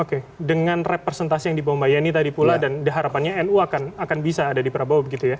oke dengan representasi yang dibawa mbak yeni tadi pula dan harapannya nu akan bisa ada di prabowo begitu ya